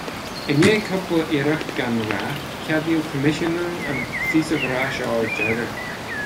I ndiaidh cúpla iarracht gan rath, ceadaíodh coimisiúnú an phíosa bhreá seo ar deireadh